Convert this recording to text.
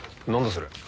それ。